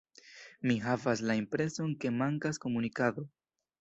Mi havas la impreson ke mankas komunikado.